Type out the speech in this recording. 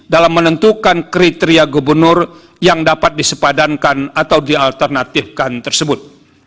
dalam menentukan kriteria gubernur yang dapat disepadankan atau diaternatifkan tersebut